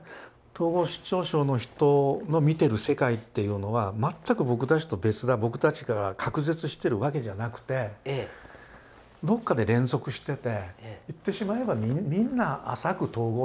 統合失調症の人の見てる世界っていうのは全く僕たちと別だ僕たちから隔絶してるわけじゃなくてどっかで連続してて言ってしまえばみんな浅く統合失調してるとうん。